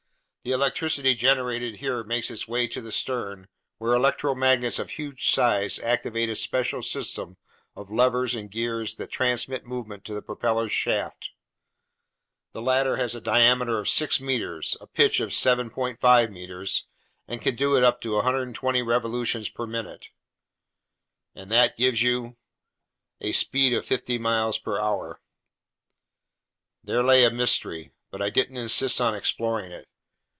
The electricity generated here makes its way to the stern, where electromagnets of huge size activate a special system of levers and gears that transmit movement to the propeller's shaft. The latter has a diameter of 6 meters, a pitch of 7.5 meters, and can do up to 120 revolutions per minute." "And that gives you?" "A speed of fifty miles per hour." There lay a mystery, but I didn't insist on exploring it.